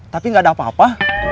tapi gak ada apa apa